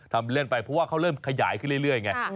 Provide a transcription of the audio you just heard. ทำเล่นไปเพราะว่าเขาเริ่มขยายขึ้นเรื่อยไง